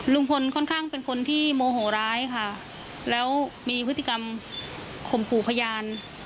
ลุงพลค่อนข้างเป็นคนที่โมโหร้ายค่ะแล้วมีพฤติกรรมข่มขู่พยาน